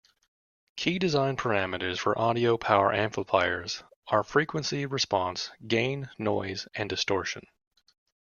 Key design parameters for audio power amplifiers are frequency response, gain, noise, and distortion.